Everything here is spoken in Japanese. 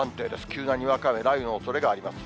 急なにわか雨、雷雨のおそれがあります。